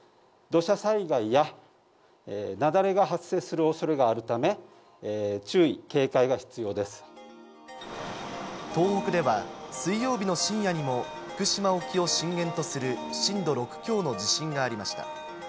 土砂災害や雪崩が発生するおそれがあるため、注意・警戒が必要で東北では、水曜日の深夜にも、福島沖を震源とする震度６強の地震がありました。